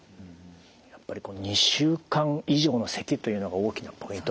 やっぱりこの２週間以上のせきというのが大きなポイントなんですね。